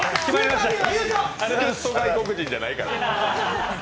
助っと外国人じゃないから。